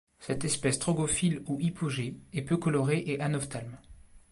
Cette espèce troglophile ou hypogée est peu colorée et anophthalme.